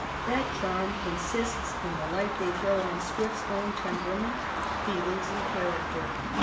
That charm consists in the light they throw on Swift's own temperament, feelings, and character.